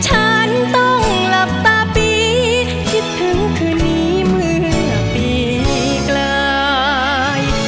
ฉันต้องหลับตาปีคิดถึงคืนนี้เมื่อปีกลาย